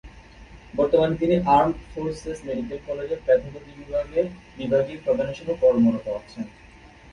বর্তমানে তিনি armed forces medical কলেজের প্যাথলজি বিভাগের বিভাগীয় প্রধান হিসেবে কর্মরত আছেন।